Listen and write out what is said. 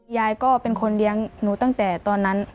ยายก็เป็นคนเลี้ยงหนูตั้งแต่ตอนนั้น